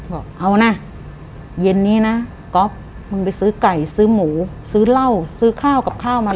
บอกเอานะเย็นนี้นะก๊อฟมึงไปซื้อไก่ซื้อหมูซื้อเหล้าซื้อข้าวกับข้าวมัน